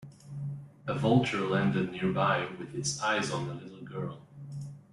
A vulture landed nearby with its eyes on the little girl.